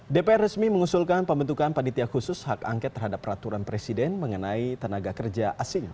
dpr resmi mengusulkan pembentukan panitia khusus hak angket terhadap peraturan presiden mengenai tenaga kerja asing